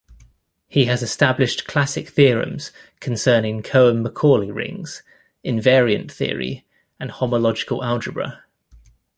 He has established classic theorems concerning Cohen-Macaulay rings, invariant theory and homological algebra.